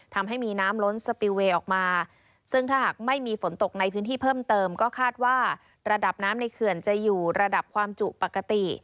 ทำให้มีน้ำล้นสปิลเวย์ออกมาซึ่งถ้าหากไม่มีฝนตกในพื้นที่เพิ่มเติมก็คาดว่าระดับน้ำในเขื่อนจะอยู่ระดับความจุปกติ